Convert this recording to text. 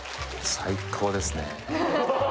最高ですね